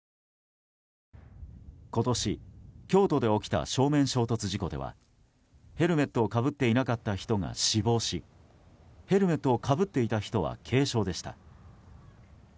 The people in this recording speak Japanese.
今年、京都で起きた正面衝突事故ではヘルメットをかぶっていなかった人が死亡しヘルメットをかぶっていた人は軽傷でした。